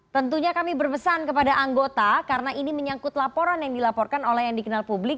tentunya kami berpesan kepada anggota karena ini menyangkut laporan yang dilaporkan oleh yang dikenal publik